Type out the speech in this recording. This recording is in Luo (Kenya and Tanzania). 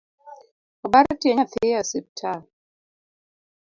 Obar tie nyathi e osiptal